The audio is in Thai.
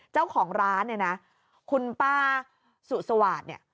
เจ้าของร้านคุณป้าสุสวาสน์นี่